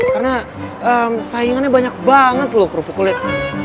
karena sayangannya banyak banget lo kerupa kulit